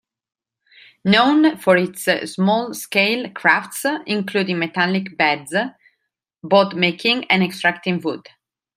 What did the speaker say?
Known for its small-scale crafts including metallic beds, boat-making and extracting wood.